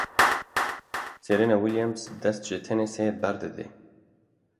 Serena Williams dest ji tenîsê berdide.